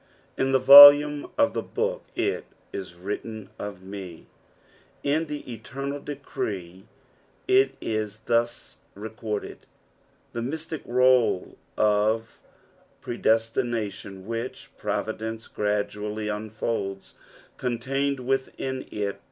" In tKa volume of the booh it u vtritUn of me," Id the eternal decree it is thus recorded. The mystic roll of tredcstination which providence gradually unfolds, contained witliin it.